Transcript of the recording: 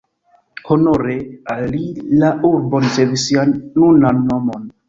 Honore al li la urbo ricevis sian nunan nomon.